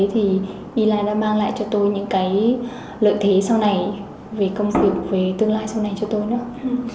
thì ai đã mang lại cho tôi những cái lợi thế sau này về công việc về tương lai sau này cho tôi nữa